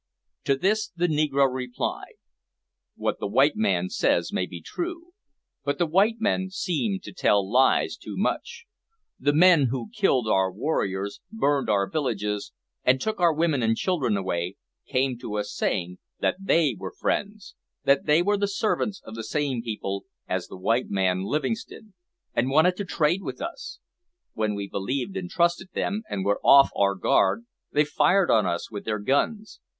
To this the negro replied "What the white man says may be true, but the white men seem to tell lies too much. The men who killed our warriors, burned our villages, and took our women and children away, came to us saying that they were friends; that they were the servants of the same people as the white man Livingstone, and wanted to trade with us. When we believed and trusted them, and were off our guard, they fired on us with their guns.